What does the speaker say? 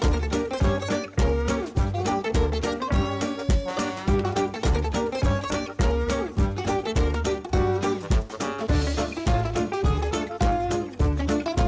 โอเคครับขอบคุณมากครับขอบคุณมากครับขอบคุณมากครับขอบคุณมากครับขอบคุณมากครับ